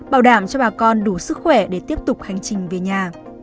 bảo đảm cho bà con đủ sức khỏe để tiếp tục hành trình về nhà